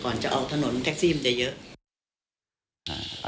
ก่อนจะออกถนนแท็กซี่มันจะเยอะ